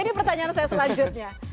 ini pertanyaan saya selanjutnya